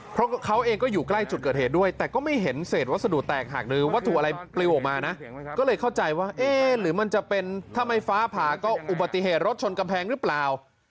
เพราะเขาเองก็อยู่ใกล้จุดเกิดเหตุด้วยแต่ก็ไม่เห็นเศษวัสดุแตกหักหรือวัตถุอะไรปลิวออกมานะก็เลยเข้าใจว่าเอ๊ะหรือมันจะเป็นทำไมฟ้าผ่าก็อุบัติเหตุรถชนกำแพงหรือเปล่า